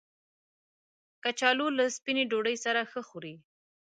کچالو له سپینې ډوډۍ سره ښه خوري